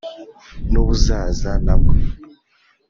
n ubuzaza na bwo